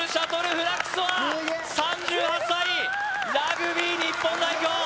フラッグスは３８歳ラグビー日本代表